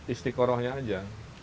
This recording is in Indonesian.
istri korohnya aja